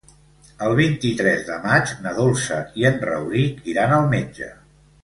El vint-i-tres de maig na Dolça i en Rauric iran al metge.